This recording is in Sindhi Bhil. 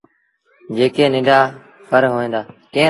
جيڪي ننڍآ ڦر هوئين دآ۔